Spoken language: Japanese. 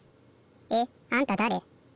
えっあんただれ？